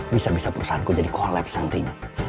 bisa bisa perusahaanku jadi collapse nantinya